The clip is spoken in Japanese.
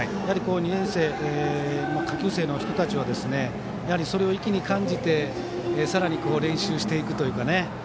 ２年生、下級生の人たちはそれを意気に感じてさらに練習していくというかね